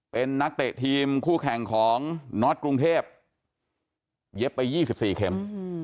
เป็นนักเตะทีมคู่แข่งของนอสกรุงเทพเย็บไปยี่สิบสี่เข็มอืม